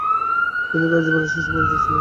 তিনি তার জীবদ্দশায় সুপরিচিত ছিলেন।